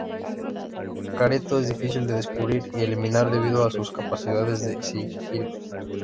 Careto es difícil de descubrir y eliminar debido a sus capacidades de sigilo.